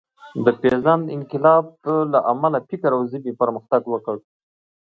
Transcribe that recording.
د پېژاند انقلاب له امله فکر او ژبې پرمختګ وکړ.